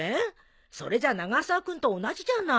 それじゃ永沢君と同じじゃない。